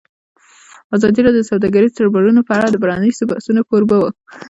ازادي راډیو د سوداګریز تړونونه په اړه د پرانیستو بحثونو کوربه وه.